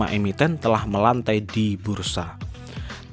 enam tahun terakhir tercatat dalam perjalanan ke negara indonesia dan juga di negara lainnya